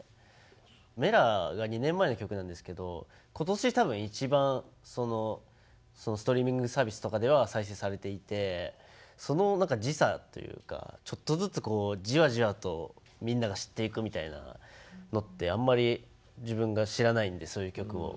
「Ｍｅｌａ！」が２年前の曲なんですけど今年多分一番ストリーミングサービスとかでは再生されていてその何か時差というかちょっとずつじわじわとみんなが知っていくみたいなのってあんまり自分が知らないんでそういう曲を。